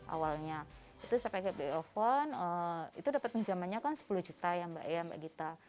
awalnya itu saya pakai beli oven itu dapat pinjamannya kan sepuluh juta ya mbak ya mbak gita